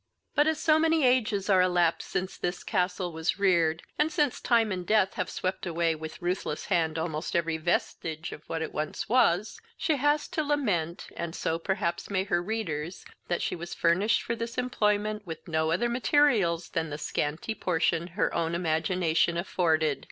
But, as so many ages are elapsed since this Castle was reared, and since time and death have swept away with ruthless hand almost every vestige of what it once was, she has to lament, and so perhaps may her readers, that she was furnished for this employment with no other materials than the scanty portion her own imagination afforded.